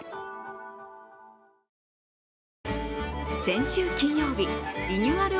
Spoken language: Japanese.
先週金曜日、リニューアル